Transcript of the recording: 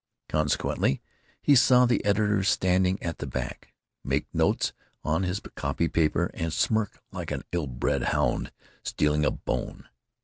Consequently he saw the editor, standing at the back, make notes on his copy paper and smirk like an ill bred hound stealing a bone.